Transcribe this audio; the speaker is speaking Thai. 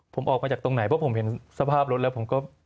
ผมออกมาจากตรงไหนเพราะผมเห็นสภาพรถแล้วผมก็